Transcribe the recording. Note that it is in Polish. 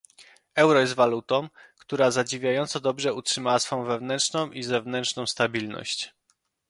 Euro jest walutą, która zadziwiająco dobrze utrzymała swą wewnętrzną i zewnętrzną stabilność